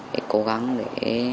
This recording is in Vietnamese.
hãy cố gắng để